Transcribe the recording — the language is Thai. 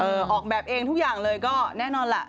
ออกแบบเองทุกอย่างเลยก็แน่นอนล่ะ